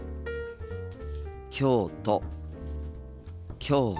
京都。